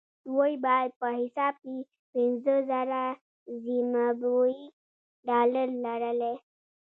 دوی باید په حساب کې پنځه زره زیمبابويي ډالر لرلای.